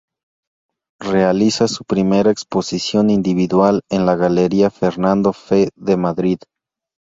Realiza su primera exposición individual en la Galería Fernando Fe de Madrid.